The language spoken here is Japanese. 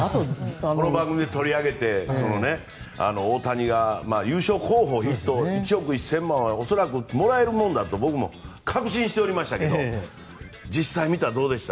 この番組で取り上げて大谷が優勝候補筆頭１億１０００万は恐らくもらえるものだと僕も確信しておりましたけど実際見たら、どうでした？